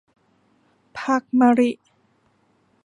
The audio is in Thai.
พรรคมะลิ